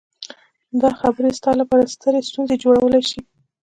دا خبرې ستا لپاره سترې ستونزې جوړولی شي